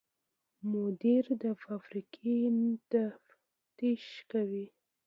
مدیر د فابریکې تفتیش کوي.